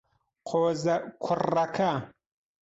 قۆزە کوڕەکە.